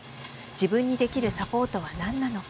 自分にできるサポートはなんなのか。